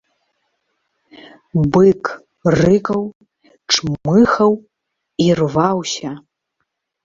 Бык рыкаў, чмыхаў і рваўся.